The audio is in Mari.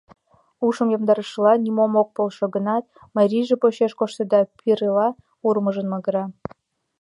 Ушым йомдарышыла, нимом ок полшо гынат, марийже почеш коштеда, пирыла урмыжын магыра.